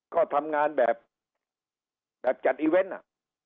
ก็ทำงานแบบจัดอีเวนต์อ่ะ